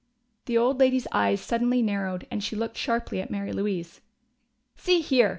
The old lady's eyes suddenly narrowed, and she looked sharply at Mary Louise. "See here!"